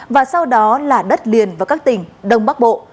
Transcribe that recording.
và sau đó là đất liền và các tỉnh đông bắc bộ